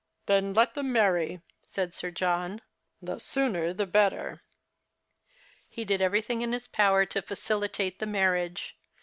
" Then let them marry," said Sir John ;" the sooner the better." He did everything in his power to facilitate the marriage.